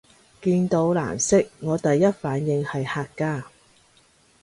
見到藍色我第一反應係客家